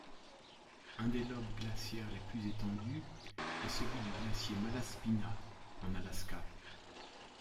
Un des lobes glaciaires les plus étendus est celui du glacier Malaspina en Alaska.